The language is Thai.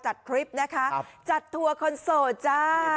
จัดคลิปนะคะจัดทัวร์คนโสดจ้า